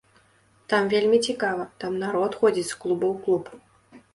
Там вельмі цікава, там народ ходзіць з клуба ў клуб.